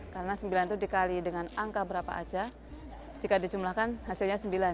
karena sembilan itu dikali dengan angka berapa saja jika dijumlahkan hasilnya sembilan